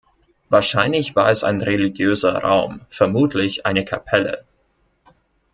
Wahrscheinlich war es ein religiöser Raum, vermutlich eine Kapelle.